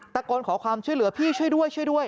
ตะโกนขอความช่วยเหลือพี่ช่วยด้วยช่วยด้วย